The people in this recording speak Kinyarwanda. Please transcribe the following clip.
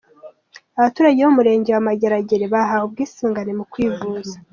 Abaturage bo mu murenge wa Mageragere bahawe ubwisungane mu kwivuza